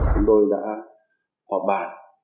chúng tôi đã họp bàn